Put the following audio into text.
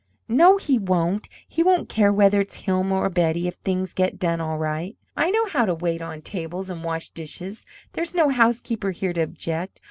"No, he won't. He won't care whether it's Hilma or Betty, if things get done all right. I know how to wait on table and wash dishes. There's no housekeeper here to object.